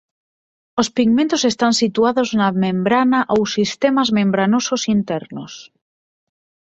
Os pigmentos están situados na membrana ou sistemas membranosos internos.